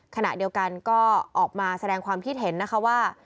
คณะเดียวกันก็ออกแสดงความผิดเห็นว่า